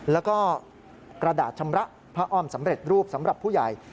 แล้วก็กระดาษชำระผ้าอ้อมสำเร็จรูปสำหรับผู้ใหญ่